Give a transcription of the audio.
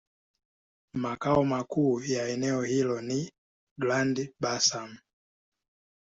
Makao makuu ya eneo hilo ni Grand-Bassam.